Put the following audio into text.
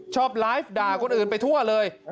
ชอบไลฟ์ด่าคนอื่นไปทั่วเลย